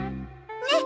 ねっ！